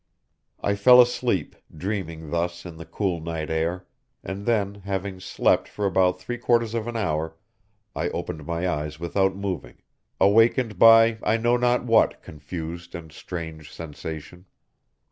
I fell asleep, dreaming thus in the cool night air, and then, having slept for about three quarters of an hour, I opened my eyes without moving, awakened by I know not what confused and strange sensation.